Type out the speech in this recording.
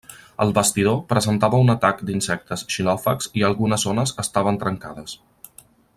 El bastidor presentava un atac d'insectes xilòfags i algunes zones estaven trencades.